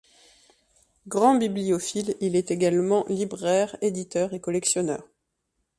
Grand bibliophile, il est également libraire, éditeur et collectionneur.